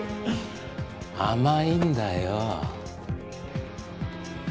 甘いんだよ。